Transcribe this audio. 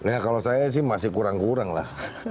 ya kalau saya sih masih kurang kurang lah